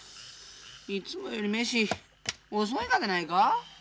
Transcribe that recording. いつもより飯遅いがでないか？